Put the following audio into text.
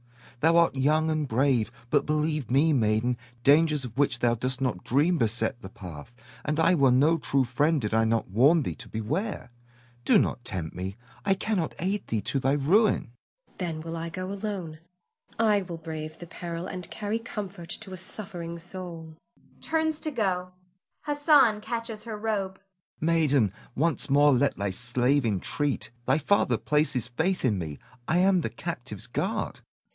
Thou art young and brave, but believe me, maiden, dangers of which thou dost not dream beset the path, and I were no true friend did I not warn thee to beware. Do not tempt me; I cannot aid thee to thy ruin. Zuleika. Then will I go alone. I will brave the peril, and carry comfort to a suffering soul [turns to go; Hassan catches her robe]. Hassan. Maiden! once more let thy slave entreat. Thy father places faith in me. I am the captive's guard.